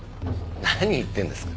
何言ってんですか？